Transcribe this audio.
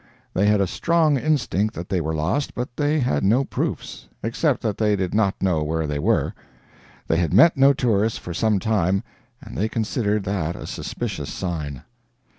They had a strong instinct that they were lost, but they had no proofs except that they did not know where they were. They had met no tourists for some time, and they considered that a suspicious sign.